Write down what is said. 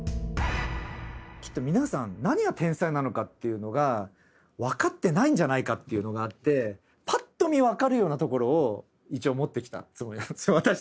きっと皆さん何が天才なのかっていうのが分かってないんじゃないかっていうのがあってパッと見分かるようなところを一応持ってきたつもりなんですよ。